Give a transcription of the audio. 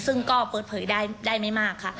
ซึ่งก็เปิดเผยได้ไม่มากค่ะ